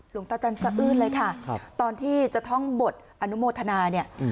หลวงตาจันสะอื้นเลยค่ะตอนที่จะท่องบทอนุโมทนาเนี่ย